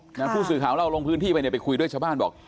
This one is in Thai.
เพราะฆู่สื่อข่าวรถลงพื้นที่ไปไปคุยด้วยชาวบ้าน